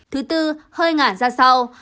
thứ tư hơi ngả ra sau